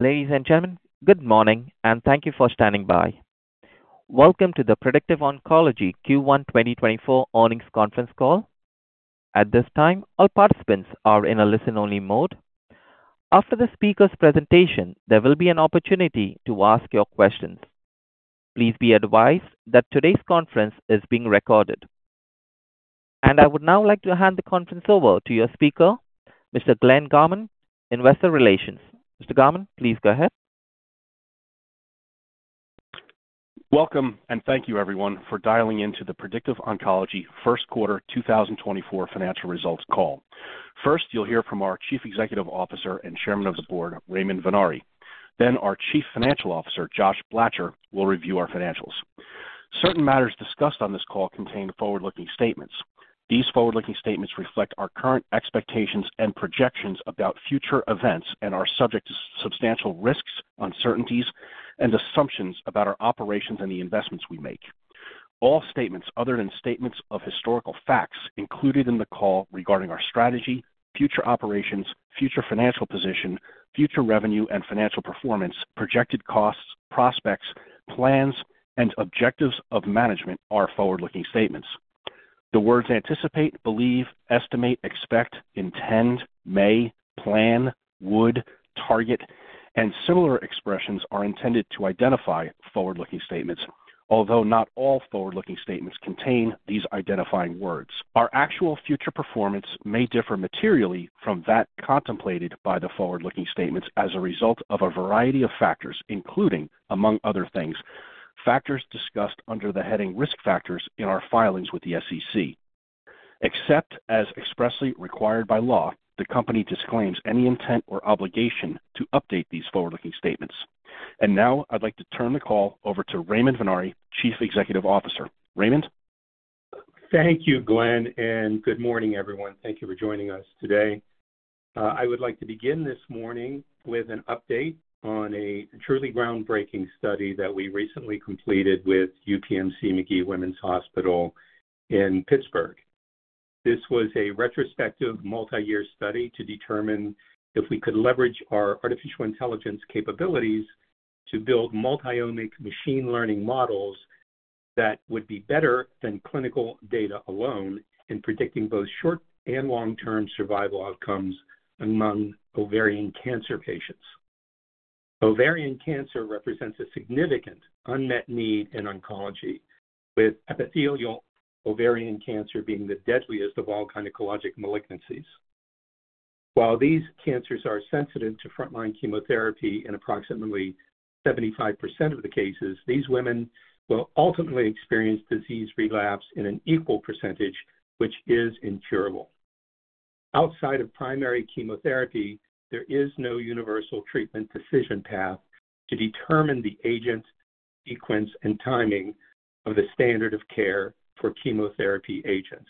Ladies and gentlemen, good morning, and thank you for standing by. Welcome to the Predictive Oncology Q1 2024 earnings conference call. At this time, all participants are in a listen-only mode. After the speaker's presentation, there will be an opportunity to ask your questions. Please be advised that today's conference is being recorded. I would now like to hand the conference over to your speaker, Mr. Glenn Garmont, Investor Relations. Mr. Garmont, please go ahead. Welcome, and thank you, everyone, for dialing in to the Predictive Oncology first quarter 2024 financial results call. First, you'll hear from our Chief Executive Officer and Chairman of the Board, Raymond Vennare. Then our Chief Financial Officer, Josh Blacher, will review our financials. Certain matters discussed on this call contain forward-looking statements. These forward-looking statements reflect our current expectations and projections about future events and are subject to substantial risks, uncertainties, and assumptions about our operations and the investments we make. All statements other than statements of historical facts included in the call regarding our strategy, future operations, future financial position, future revenue and financial performance, projected costs, prospects, plans, and objectives of management are forward-looking statements. The words anticipate, believe, estimate, expect, intend, may, plan, would, target, and similar expressions are intended to identify forward-looking statements, although not all forward-looking statements contain these identifying words. Our actual future performance may differ materially from that contemplated by the forward-looking statements as a result of a variety of factors, including, among other things, factors discussed under the heading Risk Factors in our filings with the SEC. Except as expressly required by law, the company disclaims any intent or obligation to update these forward-looking statements. Now I'd like to turn the call over to Raymond Vennare, Chief Executive Officer. Raymond? Thank you, Glenn, and good morning, everyone. Thank you for joining us today. I would like to begin this morning with an update on a truly groundbreaking study that we recently completed with UPMC Magee-Womens Hospital in Pittsburgh. This was a retrospective, multi-year study to determine if we could leverage our artificial intelligence capabilities to build multi-omics machine learning models that would be better than clinical data alone in predicting both short- and long-term survival outcomes among ovarian cancer patients. Ovarian cancer represents a significant unmet need in oncology, with epithelial ovarian cancer being the deadliest of all gynecologic malignancies. While these cancers are sensitive to frontline chemotherapy in approximately 75% of the cases, these women will ultimately experience disease relapse in an equal percentage, which is incurable. Outside of primary chemotherapy, there is no universal treatment decision path to determine the agent, sequence, and timing of the standard of care for chemotherapy agents.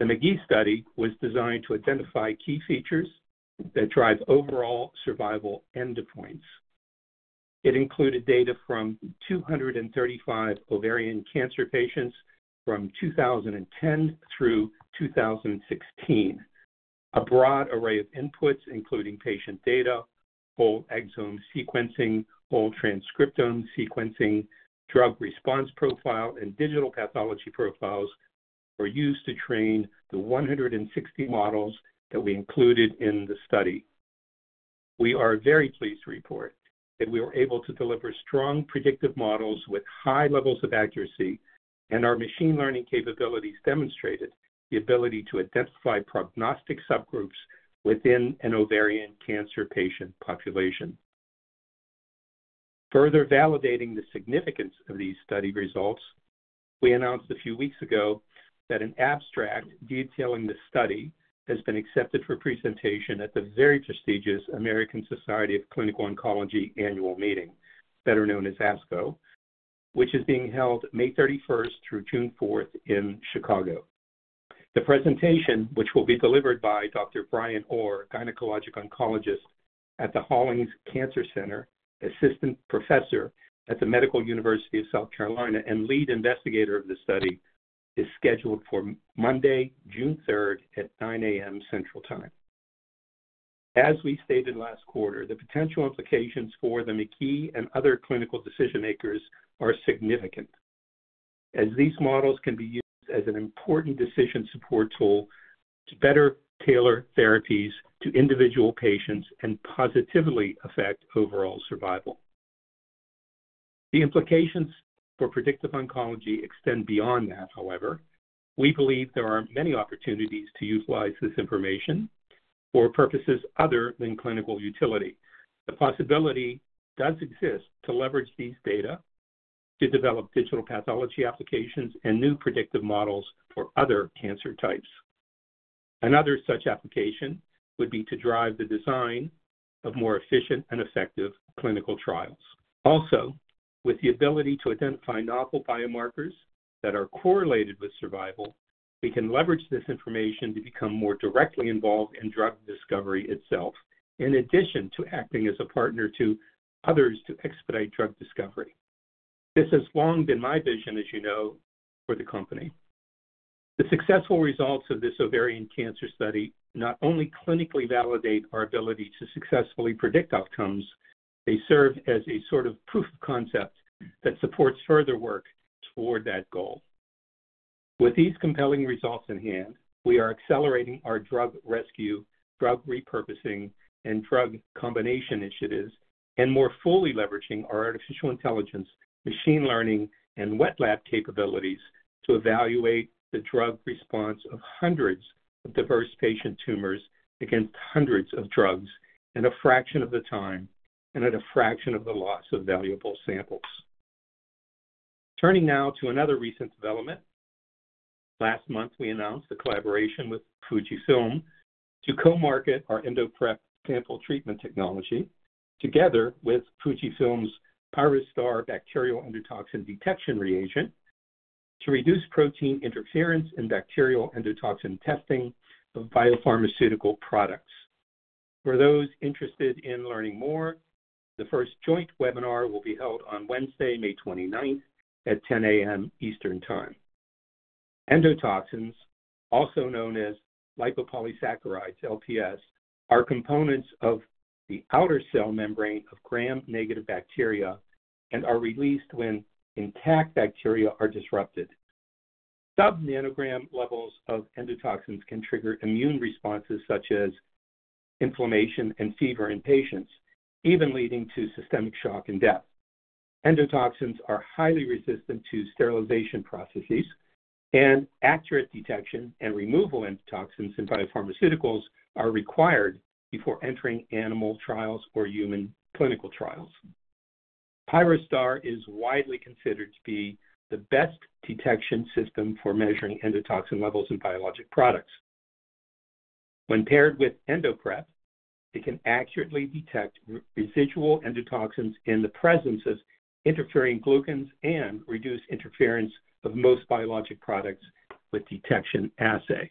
The Magee study was designed to identify key features that drive overall survival endpoints. It included data from 235 ovarian cancer patients from 2010 through 2016. A broad array of inputs, including patient data, whole exome sequencing, whole transcriptome sequencing, drug response profile, and digital pathology profiles, were used to train the 160 models that we included in the study. We are very pleased to report that we were able to deliver strong predictive models with high levels of accuracy, and our machine learning capabilities demonstrated the ability to identify prognostic subgroups within an ovarian cancer patient population. Further validating the significance of these study results, we announced a few weeks ago that an abstract detailing the study has been accepted for presentation at the very prestigious American Society of Clinical Oncology Annual Meeting, better known as ASCO, which is being held May 31st through June 4th in Chicago. The presentation, which will be delivered by Dr. Brian Orr, gynecologic oncologist at the Hollings Cancer Center, assistant professor at the Medical University of South Carolina, and lead investigator of the study, is scheduled for Monday, June 3rd at 9:00 A.M. Central Time. As we stated last quarter, the potential implications for the Magee and other clinical decision-makers are significant, as these models can be used as an important decision support tool to better tailor therapies to individual patients and positively affect overall survival. The implications for Predictive Oncology extend beyond that, however. We believe there are many opportunities to utilize this information for purposes other than clinical utility. The possibility does exist to leverage these data to develop digital pathology applications and new predictive models for other cancer types. Another such application would be to drive the design of more efficient and effective clinical trials. Also, with the ability to identify novel biomarkers that are correlated with survival, we can leverage this information to become more directly involved in drug discovery itself, in addition to acting as a partner to others to expedite drug discovery. This has long been my vision, as you know, for the company.... The successful results of this ovarian cancer study not only clinically validate our ability to successfully predict outcomes, they serve as a sort of proof of concept that supports further work toward that goal. With these compelling results in hand, we are accelerating our drug rescue, drug repurposing, and drug combination initiatives, and more fully leveraging our artificial intelligence, machine learning, and wet lab capabilities to evaluate the drug response of hundreds of diverse patient tumors against hundreds of drugs in a fraction of the time and at a fraction of the loss of valuable samples. Turning now to another recent development, last month, we announced a collaboration with Fujifilm to co-market our EndoPrep sample treatment technology, together with Fujifilm's PYROSTAR bacterial endotoxin detection reagent, to reduce protein interference in bacterial endotoxin testing of biopharmaceutical products. For those interested in learning more, the first joint webinar will be held on Wednesday, May 29th, at 10:00 A.M. Eastern Time. Endotoxins, also known as lipopolysaccharide, LPS, are components of the outer cell membrane of gram-negative bacteria and are released when intact bacteria are disrupted. Sub-nanogram levels of endotoxins can trigger immune responses such as inflammation and fever in patients, even leading to systemic shock and death. Endotoxins are highly resistant to sterilization processes, and accurate detection and removal of endotoxins in biopharmaceuticals are required before entering animal trials or human clinical trials. PYROSTAR is widely considered to be the best detection system for measuring endotoxin levels in biologic products. When paired with EndoPrep, it can accurately detect residual endotoxins in the presence of interfering glucans and reduce interference of most biologic products with detection assay.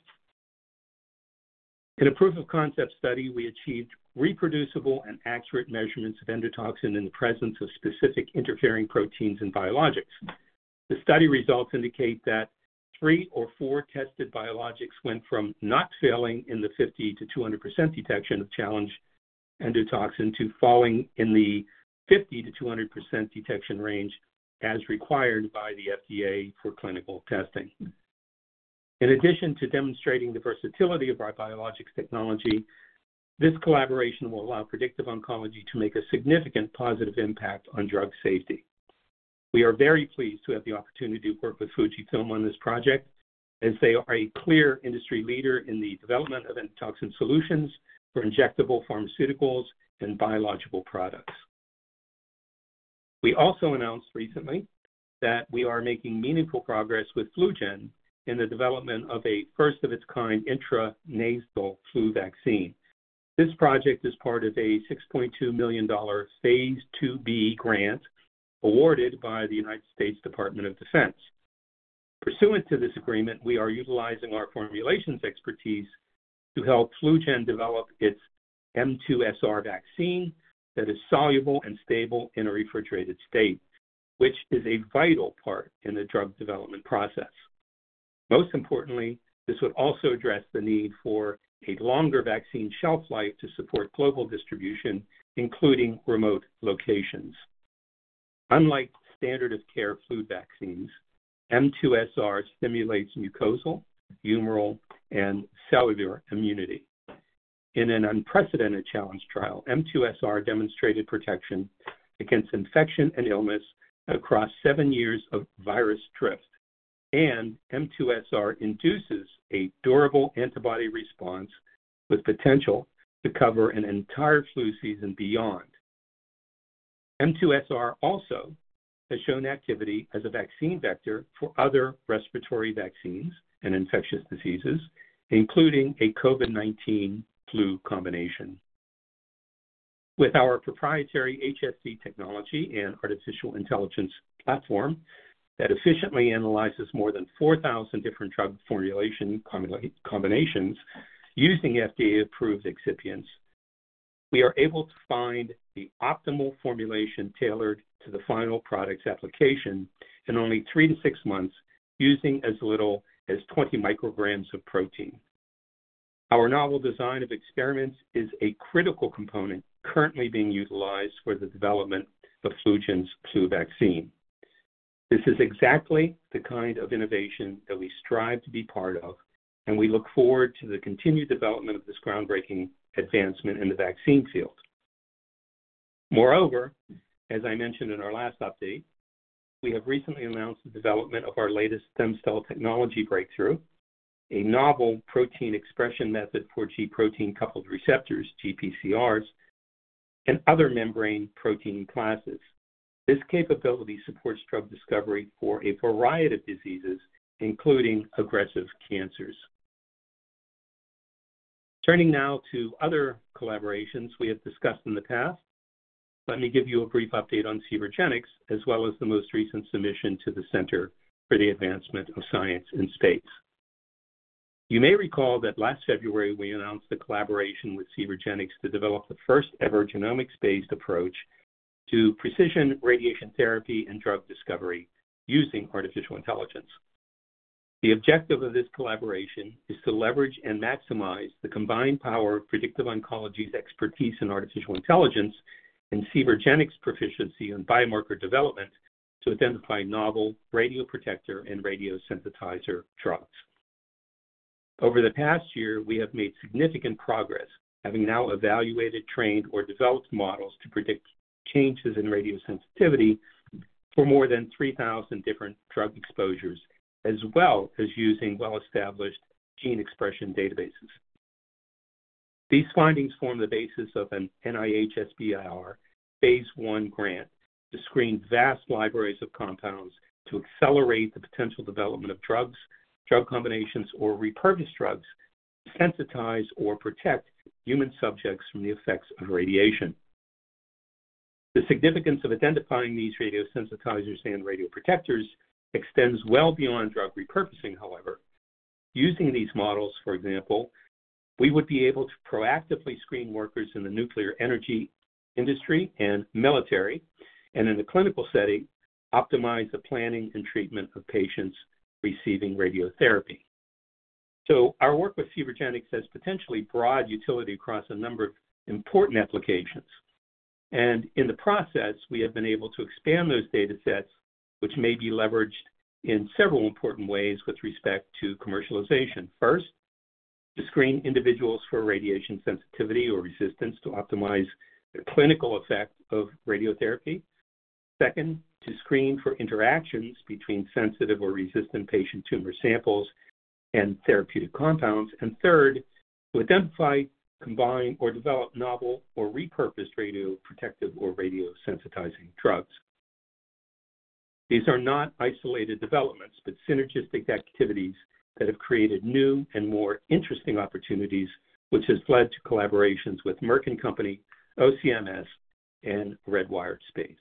In a proof of concept study, we achieved reproducible and accurate measurements of endotoxin in the presence of specific interfering proteins and biologics. The study results indicate that three or four tested biologics went from not failing in the 50%-200% detection of challenge endotoxin to falling in the 50%-200% detection range, as required by the FDA for clinical testing. In addition to demonstrating the versatility of our biologics technology, this collaboration will allow Predictive Oncology to make a significant positive impact on drug safety. We are very pleased to have the opportunity to work with Fujifilm on this project, as they are a clear industry leader in the development of endotoxin solutions for injectable pharmaceuticals and biological products. We also announced recently that we are making meaningful progress with FluGen in the development of a first-of-its-kind intranasal flu vaccine. This project is part of a $6.2 million phase II-B grant awarded by the United States Department of Defense. Pursuant to this agreement, we are utilizing our formulations expertise to help FluGen develop its M2SR vaccine that is soluble and stable in a refrigerated state, which is a vital part in the drug development process. Most importantly, this would also address the need for a longer vaccine shelf life to support global distribution, including remote locations. Unlike standard of care flu vaccines, M2SR stimulates mucosal, humoral, and cellular immunity. In an unprecedented challenge trial, M2SR demonstrated protection against infection and illness across seven years of virus drift, and M2SR induces a durable antibody response with potential to cover an entire flu season beyond. M2SR also has shown activity as a vaccine vector for other respiratory vaccines and infectious diseases, including a COVID-19 flu combination. With our proprietary HSC technology and artificial intelligence platform that efficiently analyzes more than 4,000 different drug formulation combinations using FDA-approved excipients, we are able to find the optimal formulation tailored to the final product's application in only 3 months-6 months, using as little as 20 mcg of protein. Our novel design of experiments is a critical component currently being utilized for the development of FluGen's flu vaccine. This is exactly the kind of innovation that we strive to be part of, and we look forward to the continued development of this groundbreaking advancement in the vaccine field. Moreover, as I mentioned in our last update, we have recently announced the development of our latest stem cell technology breakthrough, a novel protein expression method for G-protein coupled receptors, GPCRs, and other membrane protein classes. This capability supports drug discovery for a variety of diseases, including aggressive cancers. Turning now to other collaborations we have discussed in the past, let me give you a brief update on Cvergenx, as well as the most recent submission to the Center for the Advancement of Science in Space. You may recall that last February, we announced a collaboration with Cvergenx to develop the first-ever genomics-based approach to precision radiation therapy and drug discovery using artificial intelligence. The objective of this collaboration is to leverage and maximize the combined power of Predictive Oncology's expertise in artificial intelligence and Cvergenx's proficiency in biomarker development to identify novel radioprotector and radiosensitizer drugs. Over the past year, we have made significant progress, having now evaluated, trained, or developed models to predict changes in radiosensitivity for more than 3,000 different drug exposures, as well as using well-established gene expression databases. These findings form the basis of an NIH SBIR phase I grant to screen vast libraries of compounds to accelerate the potential development of drugs, drug combinations, or repurposed drugs to sensitize or protect human subjects from the effects of radiation. The significance of identifying these radiosensitizers and radioprotectors extends well beyond drug repurposing, however. Using these models, for example, we would be able to proactively screen workers in the nuclear energy industry and military, and in the clinical setting, optimize the planning and treatment of patients receiving radiotherapy. So our work with Cvergenx has potentially broad utility across a number of important applications, and in the process, we have been able to expand those datasets, which may be leveraged in several important ways with respect to commercialization. First, to screen individuals for radiation sensitivity or resistance to optimize the clinical effect of radiotherapy. Second, to screen for interactions between sensitive or resistant patient tumor samples and therapeutic compounds. And third, to identify, combine, or develop novel or repurposed radioprotective or radiosensitizing drugs. These are not isolated developments, but synergistic activities that have created new and more interesting opportunities, which has led to collaborations with Merck & Co., OCMS, and Redwire Space.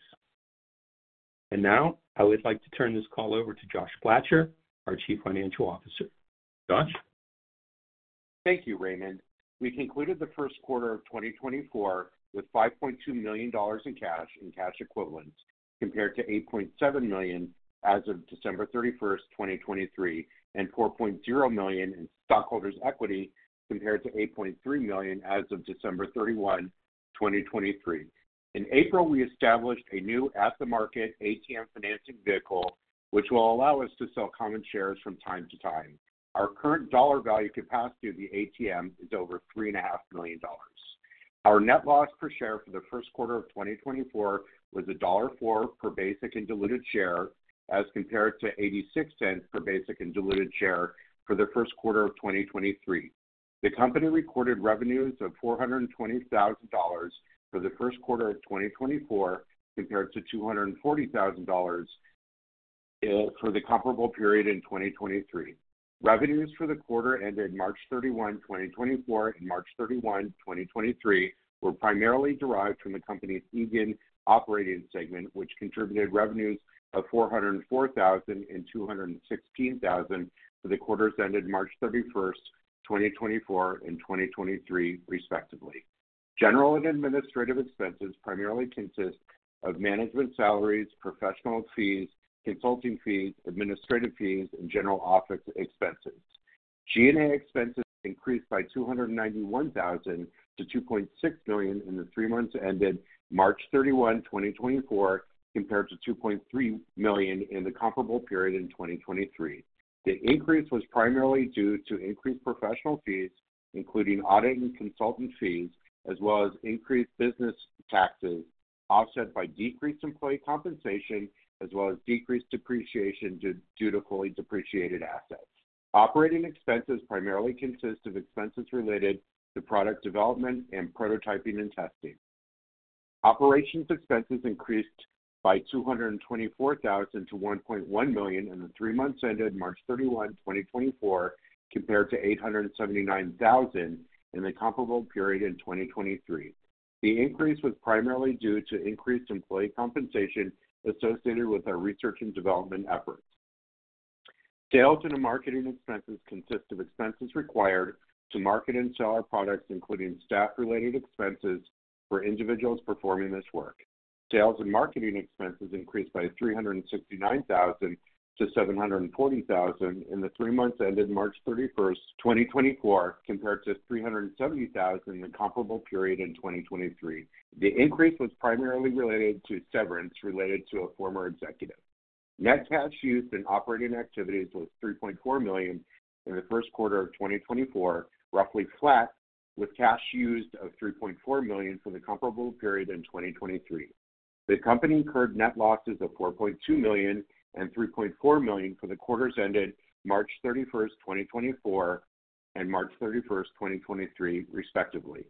And now, I would like to turn this call over to Josh Blacher, our Chief Financial Officer. Josh? Thank you, Raymond. We concluded the first quarter of 2024 with $5.2 million in cash and cash equivalents, compared to $8.7 million as of December 31st, 2023, and $4.0 million in stockholders' equity, compared to $8.3 million as of December 31st, 2023. In April, we established a new at-the-market ATM financing vehicle, which will allow us to sell common shares from time to time. Our current dollar value capacity of the ATM is over $3.5 million. Our net loss per share for the first quarter of 2024 was $1.04 per basic and diluted share, as compared to $0.86 per basic and diluted share for the first quarter of 2023. The company recorded revenues of $420,000 for the first quarter of 2024, compared to $240,000 for the comparable period in 2023. Revenues for the quarter ended March 31, 2024, and March 31, 2023, were primarily derived from the company's Eagan operating segment, which contributed revenues of $404,000 and $216,000 for the quarters ended March 31, 2024 and 2023 respectively. General and administrative expenses primarily consist of management salaries, professional fees, consulting fees, administrative fees, and general office expenses. G&A expenses increased by $291,000 to $2.6 million in the three months ended March 31st, 2024, compared to $2.3 million in the comparable period in 2023. The increase was primarily due to increased professional fees, including audit and consultant fees, as well as increased business taxes, offset by decreased employee compensation, as well as decreased depreciation due to fully depreciated assets. Operating expenses primarily consist of expenses related to product development and prototyping and testing. Operations expenses increased by $224,000 to $1.1 million in the three months ended March 31, 2024, compared to $879,000 in the comparable period in 2023. The increase was primarily due to increased employee compensation associated with our research and development efforts. Sales and marketing expenses consist of expenses required to market and sell our products, including staff-related expenses for individuals performing this work. Sales and marketing expenses increased by $369,000 to $740,000 in the three months ended March 31st, 2024, compared to $370,000 in the comparable period in 2023. The increase was primarily related to severance related to a former executive. Net cash used in operating activities was $3.4 million in the first quarter of 2024, roughly flat, with cash used of $3.4 million for the comparable period in 2023. The company incurred net losses of $4.2 million and $3.4 million for the quarters ended March 31st, 2024, and March 31st, 2023, respectively.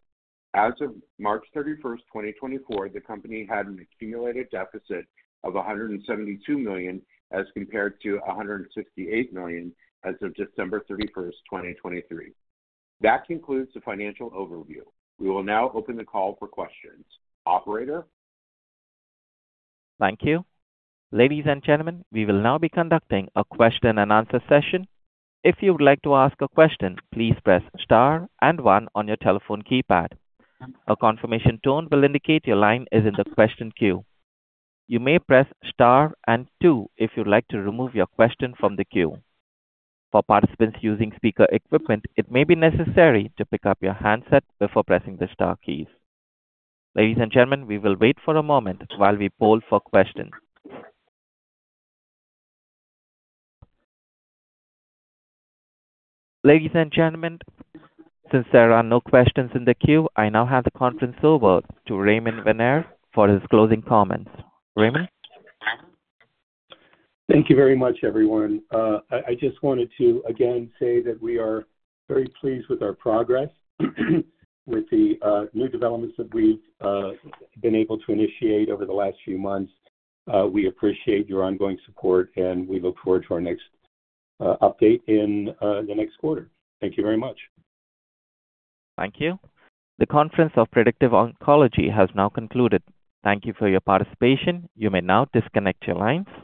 As of March 31st, 2024, the company had an accumulated deficit of $172 million, as compared to $168 million as of December 31st, 2023. That concludes the financial overview. We will now open the call for questions. Operator? Thank you. Ladies and gentlemen, we will now be conducting a question-and-answer session. If you would like to ask a question, please press star and one on your telephone keypad. A confirmation tone will indicate your line is in the question queue. You may press star and two if you'd like to remove your question from the queue. For participants using speaker equipment, it may be necessary to pick up your handset before pressing the star keys. Ladies and gentlemen, we will wait for a moment while we poll for questions. Ladies and gentlemen, since there are no questions in the queue, I now have the conference over to Raymond Vennare for his closing comments. Raymond? Thank you very much, everyone. I just wanted to again say that we are very pleased with our progress, with the new developments that we've been able to initiate over the last few months. We appreciate your ongoing support, and we look forward to our next update in the next quarter. Thank you very much. Thank you. The conference of Predictive Oncology has now concluded. Thank you for your participation. You may now disconnect your lines.